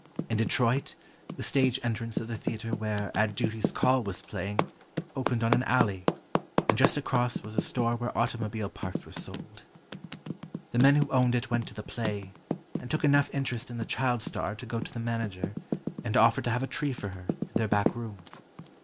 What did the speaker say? In Detroit, the stage entrance of the theatre where "At Duty's Call" was playing, opened on an alley, and just across was a store where automobile parts were sold. The men who owned it went to the play, and took enough interest in the "child star" to go to the manager and offer to have a tree for her, in their back room.